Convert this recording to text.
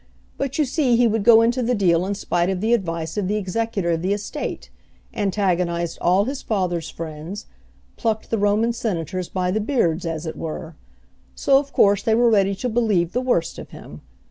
But you see he would go into the deal in spite of the advice of the executor of the estate, antagonized all his father's friends plucked the Roman senators by the beards, as it were; so of course they were ready to believe the worst of him.